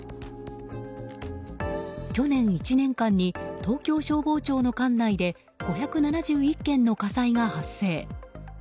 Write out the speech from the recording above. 去年１年間に東京消防庁の管内で５７１件の火災が発生。